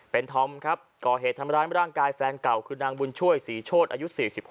เป็นธอมครับก่อเหตุทำร้ายร่างกายแฟนเก่าคือนางบุญช่วยศรีโชธอายุ๔๖